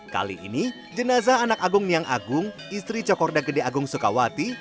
kali ini jenazah anak agung miang agung istri cokorda gede agung sukawati